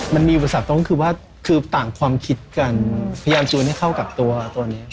มันมีอุปสรรคต้องคือว่าคือต่างความคิดกันพยายามจูนให้เข้ากับตัวนี้